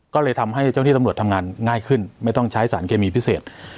ก็เลยทำให้เจ้าที่ตำรวจทำงานง่ายขึ้นไม่ต้องใช้สารเคมีพิเศษ